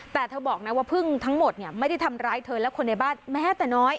แต่เธอบอกนะว่าพึ่งทั้งหมดเนี่ยไม่ได้ทำร้ายเธอและคนในบ้านแม้แต่น้อย